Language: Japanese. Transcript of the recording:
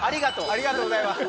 ありがとうございます。